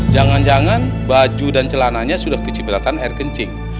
jangan jangan baju dan celananya sudah kecipratan air kencing